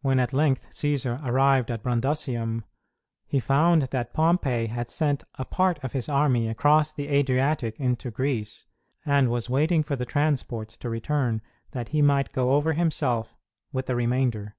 When, at length, Cćsar arrived at Brundusium, he found that Pompey had sent a part of his army across the Adriatic into Greece and was waiting for the transports to return that he might go over himself with the remainder.